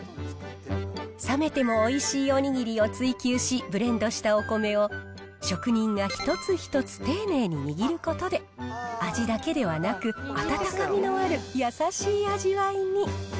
冷めてもおいしいおにぎりを追求しブレンドしたお米を、職人が一つ一つ丁寧に握ることで、味だけではなく、第１位。